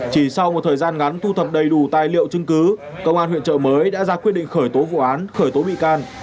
chỉ sau một thời gian ngắn thu thập đầy đủ tài liệu chứng cứ công an huyện trợ mới đã ra quyết định khởi tố vụ án khởi tố bị can